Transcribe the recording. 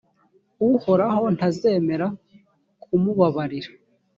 uhoraho ntazemera kumubabarira,